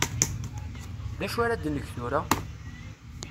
D acu ar ad neg tura?